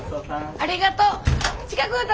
ありがとう！